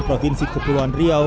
provinsi kepulauan riau